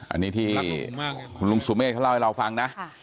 อันนี้ที่ลุงซูมเมตรเขาเล่าให้เราฟังนะ